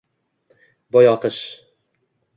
Boyoqish…